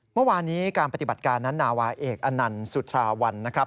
เมื่อวานนี้การปฏิบัติการนั้นนาวาเอกอนันต์สุทราวันนะครับ